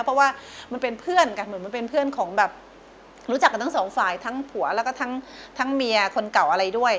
เพราะว่ามันเป็นเพื่อนกันเหมือนมันเป็นเพื่อนของแบบรู้จักกันทั้งสองฝ่ายทั้งผัวแล้วก็ทั้งเมียคนเก่าอะไรด้วย